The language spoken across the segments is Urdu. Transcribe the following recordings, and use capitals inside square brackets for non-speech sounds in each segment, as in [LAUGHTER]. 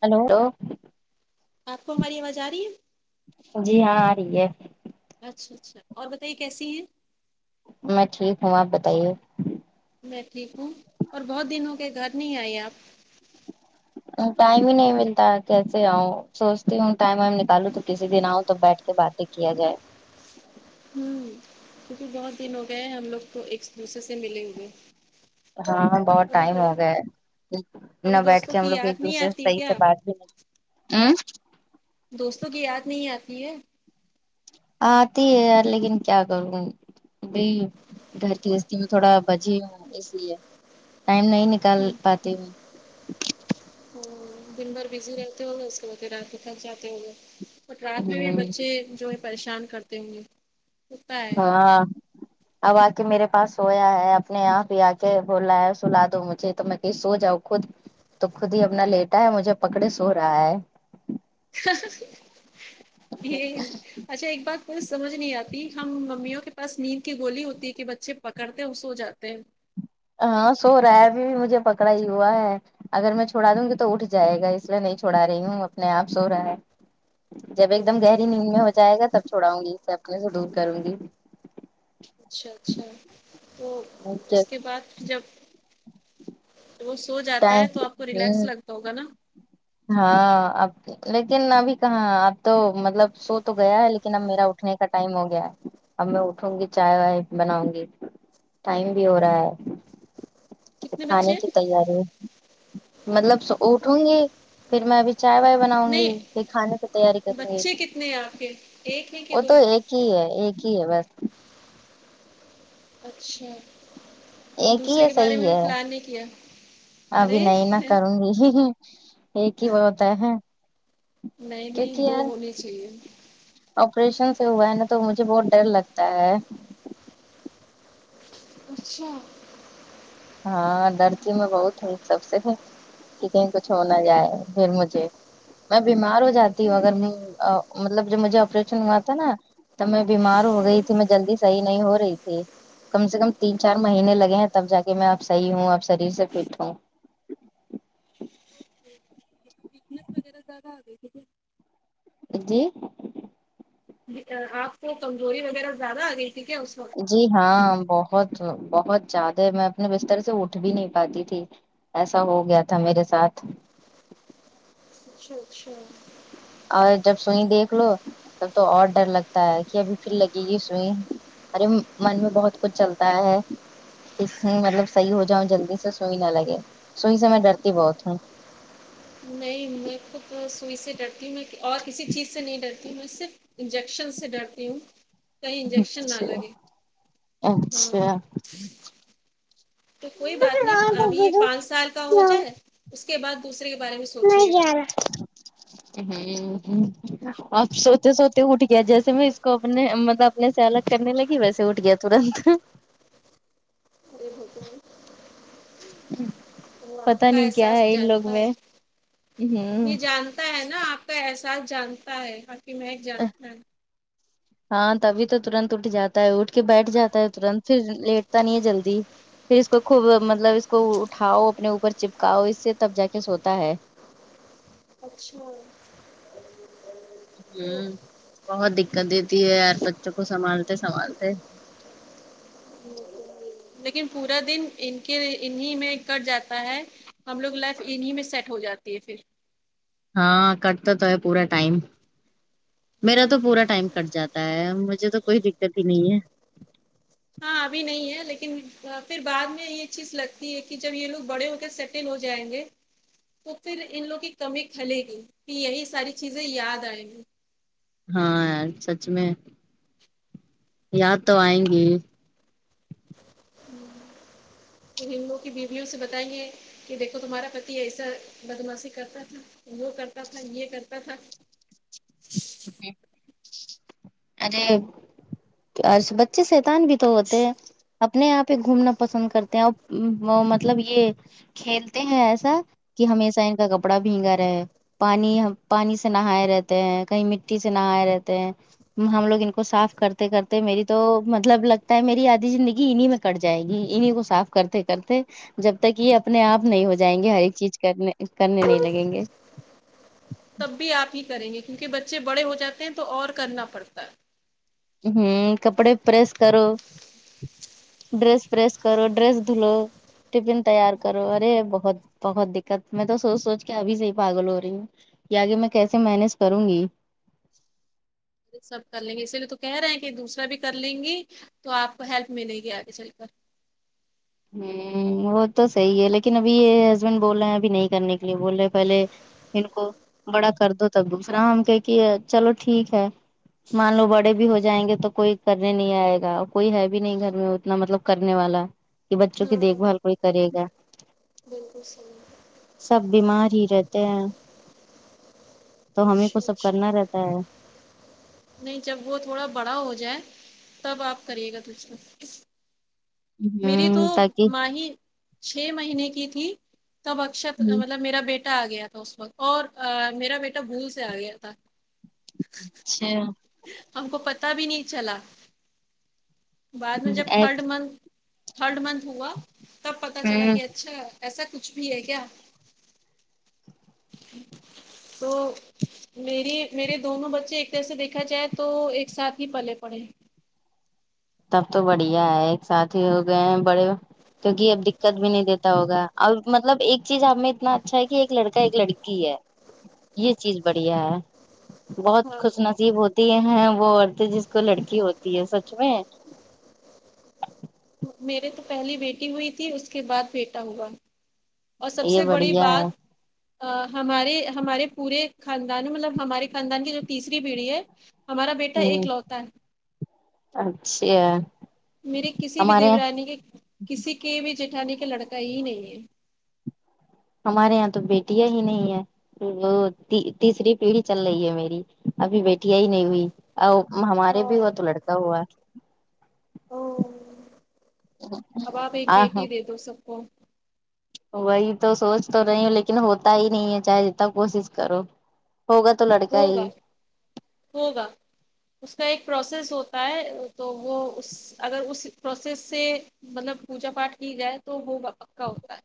ہیلو آپ کو ہماری آواز آ رہی ہے جی ہاں آ رہی ہے اچھا اچھا اور بتائیے کیسی ہیں میں ٹھیک ہوں آپ بتائیے میں ٹھیک ہوں اور بہت دن ہو کے گھر نہیں آئے آپ ٹائم ہی نہیں ملتا کیسے آؤں سوچتی ہوں ٹائم و نکالوں تو کسی دن آؤں تب بیٹھ کے بات ہی کیا جائے ہمم کیونکہ بہت دن ہو گئے ہیں ہم لوگ تو ایک دوسرے سے ملے ہوئے ہاں بہت کبھی ٹائم دو ہو گئے کبھی نہ بیٹھ دوستوں کے ہم کی لوگ یاد ایک نہیں دوسرے سے آتی صحیح سے کیا بات بھی ہ دوستوں کی یاد نہیں آتی ہے آتی ہے لیکن کیا کروں ب گھر کی دستی میں تھوڑا بجی ہوں اس لیے ٹائم نہیں نکل نکال پاتی ہو ہمم دن بھر بزی رہتے ہو گے اس کے بعد رات میں تھک جاتے ہو گے اور رات میں بھی ہوں بچے جو ہے پریشان کرتے ہوں گے ہوتا ہے ہاں اب آ کے میرے پاس سویا ہے اپنے آپ ھی آ کے بولا ہے سلا دو مجھے تو میں سو جاؤ خود تو خود ہی اپنا لیٹا ہے مجھے پکڑے سو رہا ہے ھھھ تیز اچھا ایک بات کوئی سمجھ نہیں آتی ہم ممیوں کے پاس نیند کی گولی ہوتی ہے کہ بچے پکڑتے ہیں اور سو جاتے ہیں ہاں سو رہا ہے ابھی بھی مجھے پکڑا ہی ہوا ہے اگر میں چھڑا دوں گی تو اٹھ جائے گا اس لیے نہیں چھڑا رہی ہوں اپنے آپ سو رہا ہے جب او ایک دم گہری نیند میں ہو جائے گا تب چھوڑاؤں گی اس سے اپنے سے دور کروں گی اچھا اچھا وہ اس کے بعد پھر جب وہ سو جاتا ٹائم ہے تو آپ کو ریلیکس ہوں لگتا ہوگا نا ہاں اب لیکن ابھی کہاں اب تو مطلب سو تو گیا ہے لیکن اب میرا اٹھنے کا ٹائم ہو گیا ہے اب میں اٹھوں گی چائے وائے بناؤں گی ٹائم بھی ہو رہا ہے کتنے کھانے بچے ہیں؟ کی تیاری مطلب اٹھونگی پھر میں ابھی چائے وائے بناؤں گی نہیں پھر کھانے کی تیاری کروں گی بچے کتنے ہیں آپ کے ایک ہے کہ وہ دو تو ایک ہی ہے ایک ہی ہے بس اچھا ایک ہی دوسرے یہ کے بارے صحیح میں بھی ہے پلان نہیں کیا ابھی ارے نہیں نہ کروں گی ہمم ه ایک ہی وہ ہوتا ہے نہیں نہیں کیونکہ دو یار ہونے چاہیے آپریشن سے ہوا ہے نا تو مجھے بہت ڈر لگتا ہے اچھا ہاں ڈرتی میں بہت ہو سب سے ہوں کہ کہیں کچھ ہو نہ جائے پھر مجھے میں بیمار ہو جاتی ہوں اوہو، اگر میں مطلب جب مجھے آپریشن ہوا تھا نا تب میں بیمار ہو ہاں گئی تھی میں جلدی صحیح نہیں ہو رہی تھی کم سے کم تین چار مہینے لگے ہیں تب جا کے میں اب صحیح ہوں اب شریر سے فٹ ہوں [UNINTELLIGIBLE] وغیرہ زیادہ آ گئی تھی کیا جی آپ کو کمزوری وغیرہ زیادہ آ گئی تھی کیا اس وقت جی ہاں بہت بہت زیادہ میں اپنے بستر سے اٹھ بھی نہیں پاتی تھی ایسا ہو گیا تھا میرے ساتھ اچھا اچھا اور جب سوئی دیکھ لو تب تو اور ڈر لگتا ہے کہ ابھی پھر لگے گی سوئی ارے من میں بہت کچھ چلتا ہے اس میں مطلب صحیح ہو جاؤں جلدی سے سوئی نہ لگے سوئی سے میں ڈرتی بہت ہوں نہیں میں خود سوئی سے ڈرتی ہوں میں اور کسی چیز سے نہیں ڈرتی ہوں میں صرف انجیکشن سے ڈرتی ہوں کئی انجیکشن نہ اچھا لگے ہاں اچھا تو کوئی بات نہیں ابھی یہ ہوں پانچ سال کا ہو جائے اس کے بعد دوسرے کے بارے میں سو چھ اہوں ہوں آب سوتے سوتے اٹھ گیا جیسے میں اس کو اپنے مطلب اپنے سے الگ کرنے لگی ویسے اٹھ گیا ترنت ہرے [UNINTELLIGIBLE] [INAUDIBLE] وہ آپ کا نہیں کیا احساس ہے ان لوگ جانتا ہے میں یہ ہوں جانتا ہے نا آپ تو احساس جانتا ہے آپ کی مہک جانتا ہے ہاں تبھی تو ترنت اٹھ جاتا ہے اٹھ کے بیٹھ جاتا ہے ترنت پھر لیٹتا نہیں ہے جلدی پھر اس کو خوب مطلب اس کو اٹھاؤ اپنے اوپر چپکاؤ اسے تب جا کے سوتا ہے اچھا تو ہوں بہت دقت دیتی ہے یار بچوں کو سنبھالتے سنبھالتے لیکن پورا دن ان کے انیں میں کٹ جاتا ہے ہم لوگ لائف انہیں میں سیٹ ہو جاتی ہے پھر ہاں کٹتا تو ہے پورا ٹائم میرا تو ہوں پورا ٹائم کٹ جاتا بتا ہے مجھے تو کوئی دقت ہی نہیں ہے ہاں ابھی نہیں ہے لیکن پھر بعد میں یہ چیز لگتی ہے کہ جب یہ لوگ بڑے ہو کے سیٹ تل ہو جائیں گے تو پھر انن لوگ کی کمی کھلیگی کہ یہی ساری چیزیں یاد آئیں گی ہاں یار سچ میں یاد تو آئیں گی ہوں پھر ہندوؤ کی بیویوں سے بتائیں گے کہ دیکھو تمہارا پتی ایسا بدماشی کرتا تھا وہ کرتا تھا یہ کرتا تھا [INAUDIBLE] [UNINTELLIGIBLE] ارےآج بچے شیتان بھی تو ہوتے ہیں اپنے آپ ہی گھومنا پسند کرتے ہیں اور مطلب یہ کھیلتے ہیں ایسا کہ ہمیشہ ان کا کپڑا بھینگا رہے پانی پانی سے نہائے رہتے ہیں کہیں مٹی سے نہائے رہتے ہیں ہم لوگ ان کو صاف کرتے کرتے میری تو مطلب لگتا ہے میری آدھی زندگی انہی مے کٹ جائے گی انہیں کو صاف کرتے کرتے جب تک یہ اپنے آپ نہیں ہو جائیں گے ہر ایک چیز کرنے کرنے نہیں لگیں گے تب بھی آپ ہی کریں گے کیونکہ بچے بڑے ہو جاتے ہیں تو اور کرنا پڑتا ہے ہم کپڑے پریس کرو ڈریس پریس کرو ڈریس دھلو ٹفن تیار کرو ارے بہت بہت دقت میں تو سوچ سوچ کے ابھی سے ہی پاگل ہو رہی ہوں کہ آگے میں کیسے مینج کروں گی سب کر لیں گے اسی لیے تو کہہ رہے ہیں کہ دوسرا بھی کر لیں گی تو آپ کو ہیلپ ملے گی آگے چل کر ہمم وہ تو صحیح ہے لیکن ابھی یہ ہسبینڈ بول رہے ہیں ابھی نہیں کرنے کے لیے بول رہے پہلے ان کو بڑا کر دو تب دوسرا ہم کہ کیے چلو ٹھیک ہے مان لو بڑے بھی ہو جائیں گے تو کوئی کرنے نہیں آئے گا اور کوئی ہے بھی نہیں گھر میں اتنا مطلب کرنے والا کہ بچوں کی ہاں دیکھ بھال کوئی کرے گا بالکل صحیح سب بیمار ہی رہتے ہیں تو ہمیں کو اچھا سب اچھا کرنا رہتا ہے نہیں جب وہ تھوڑا بڑا ہو جائے تب آپ کریے گا پھر سے ہے میری تو ہ تاکہ ماہی چھ مہینے کی تھی تب اکشت اچھا مطلب میرا بیٹا بیٹا آ گیا تھا اس وقت اور میرا بیٹا بھول سے آ گیا تھا اچھا ہم کو پتا بھی نہیں چلا بعد میں جب تھرڈ ایک- منت تھرڈ منت ہوا تب پتا چلا ہوں کہ اچھا ایسا کچھ بھی ہے کیا تو میری میرے دونوں بچے ایک جیسے دیک دیکھا جائے تو ایک سات ہی بلے پڑے تب تو بڑھیا ہے ایک ساتھ ہی ہو گئے ہیں بڑے کیونکہ اب دقت بھی نہیں دیتا ہوگا اور مطلب ایک چیز ہمیں اتنا اچھا ہے کہ ایک لڑکا ایک لڑکی کی ہے یہ چیز بڑھیا ہے بہت ہاں خوش نصیب ہوتی ہے ہیں وہ عورتیں جس کو لڑکی ہوتی ہے سچ میں میرے تو پہلی بیٹی ہوئی تھی اس کے بعد بیٹا ہوا اور سب یہ سے بڑی بڑھیا ہے بات اہ ہمارے ہمارے پورے خاندان میں مطلب ہمارے خاندان کی جو تیسری پیڈی ہے ہمارا بیٹا ایک ہوں لوتا ہے اچھا میری کسی بھی ہمارے یہاں دیورانی کے کسی کے بھی جیٹھانی کا لڑکا ہی نہیں ہے ہمارے یہاں تو بیٹیاں ہی نہیں ہے وہ تی تیسری پیڑھی چل رہی ہے میری ابھی بے بیٹیاں ہی نہیں ہوئی ہمارے ہاں بھی ہوا تو لڑکا ہوا او اب آپ ایک آ بیٹی دے دو سب کو وہی تو سوچ تو رہی ہو لیکن ہوتا ہی نہیں ہے چاہے جتنا کوشش کرو ہوگا تو لڑکا ہی ہوگا ہوگا اس کا ایک پروسیس ہوتا ہے تو وہ اس اگر اس پروسیس سے مطلب پوجا پاٹھ کی جائے تو وہ پکا ہوتا ہے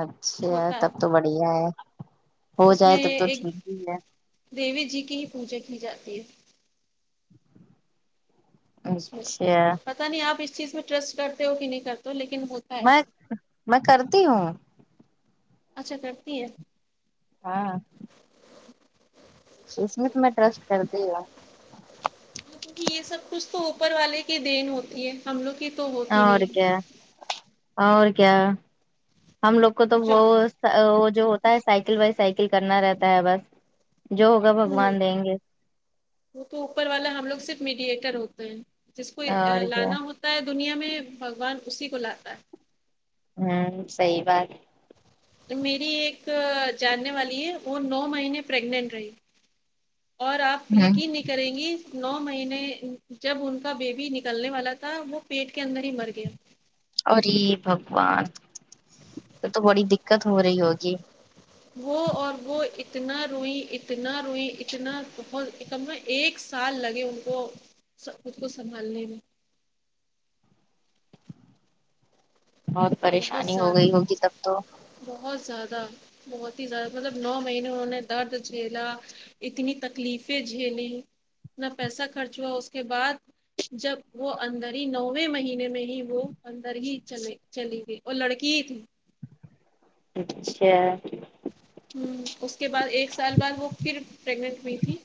اچھا ہوتا ہے تب تو بڑھیا ہے ہو اس جائے میں تب تو ایک ٹھیک ہی ہے دیوی جی کی ہی پوجا کی جاتی ہے ہے اس میں اچھا اب پتا نہیں آپ اس چیز میں ٹرسٹ کرتے ہو کہ نہیں کرتے ہو لیکن ہے میں ایسے میں کرتی ہوں اچھا کرتی ہے ہاں اس میں تو میں ٹرسٹ کرتی ہو ابھی یہ سب کچھ تو اوپر والے کی دین ہوتی ہے ہم لوگ کی تو ہو اور کیا اور کیا ہم لوگ کو تو جو بہت وہ جو ہوتا ہے سائیکل وائی سائیکل کرنا رہتا ہے بس جو ہوگا ہوں بھگوان دیں گے وہ تو اوپر والا ہم لوگ صرف میڈیٹور ہوتے ہیں جس کو اور کیا لانا ہوتا تا ہے دنیا میں بگوان اسی کو لاتا ہے ہوں صحیح بات ہے میری ایک جاننے والی ہے وہ نو مہینے پریگنینٹ رہی اور آپ ہ یقین نی کریں گی نو مہینے جب ان کا بیبی نکلنے والا تھا وہ پیٹ کے اندر ہی مر گیا اری بھگوان پھر تو بڑی دقت ہو رہی ہوگی وہ اور وہ اتنا روئی اتنا روئی اتنا بہت تب نہ ایک سال لگے ان کو سب خود کو سنبھالنے میں بہت پریشانی ہو گئی ہوگی تب تو بہت زیادہ بہت ہی زیادہ مطلب نو مہینے انہوں نے درد جھیلا اتنی تکلیفیں جھیلیں اتنا پیسہ خرچ ہوا اس کے بعد جب وہ اندر ہی نویں مہینے میں ہی وہ اندر ہی چلے چلی گئی اور لڑکی ہی تھی اچھا ہ اس کے بعد ایک سال بعد وہ پھر پریگنٹ ہوئی تھی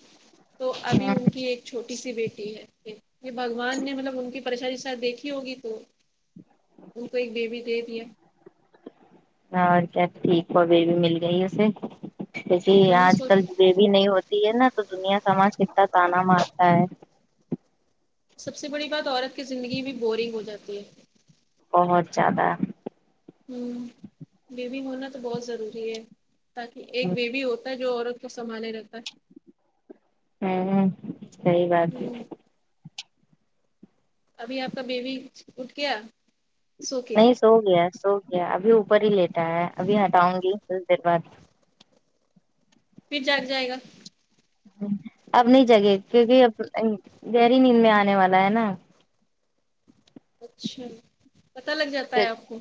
تو ابھی ان کی ایک چھوٹی سی بیٹی ہے ایک یہ بھگوان نے مطلب ان کی پریشانی سر دیکھی ہوگی تو ان کو ایک بیبی دے دیا اور کیا ٹھیک ہوا بیی مل گئی اسے کیونکہ ورنہ آج سو کل بیبی نہیں ہو تی ہے نا تو دنیا سماج کتنا تانا مارتا ہے سب سے بڑی بات عورت کی زندگی بھی بورنگ ہو جاتی ہے بہت زیادہ ہ بیبی ہونا تو بہت ضروری ہے تاکہ ایک ہوں بیبی ہو جو عورت کو سنبھالے رہتا ہے ہوں صحیح بات ہے ہوں ابھی آپ کا بیبی اٹھ گیا سو کے نہیں سو گیا سو گیا ابھی اوپر ہی لیٹا ہے ابھی ہٹاؤں گی کچھ دیر بعد پھر جگ جائے گا اب نہیں جگہ کیونکہ اب گہری نیند میں آنے والا ہے نا اچھا پتا لگ جاتا ہے آپ کو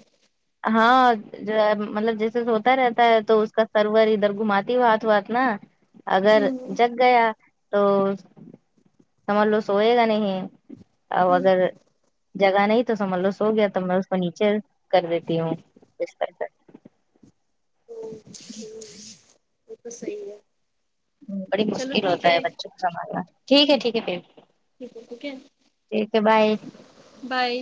ہاں جو ہے مطلب جیسے س ہوتا رہتا ہے تو اس کا سرور ادھر گھماتی ہوات ہوات نا اگر ہوں جگ گیا تو سمجھ لو سوئے گا نہیں اب ہوں اگر جگہ نہیں تو سمج لو سو گیا گیا تو میں اس کو نیچے کر دیتی ہوں اس ط [UNINTELLIGIBLE] وہ تو صحیح ہے بڑی چلو مشکل ٹھیک ہوتا ہے بچوں کو سنبھالنا ٹھیک ہے ٹھیک ہے پھر ٹھیک ہے ٹھیک ہے ٹھیک ہے بائے بائے